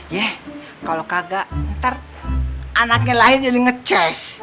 ya kalau kagak ntar anaknya lahir jadi nge cheese